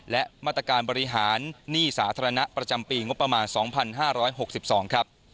และมาตรการบริหารหนี้สาธารณะประจำปีงบประมาณ๒๕๖๒ครับ